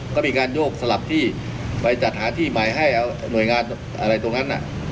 ก็มีการโยกสลับที่ไปจัดหาที่ใหม่ให้เอาหน่วยงานอะไรตรงนั้น